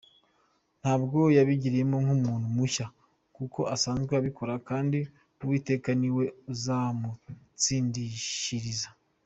Ntabwo yabigiyemo nk’umuntu mushya kuko asanzwe abikora kandi Uwiteka ni we uzamutsindishiriza.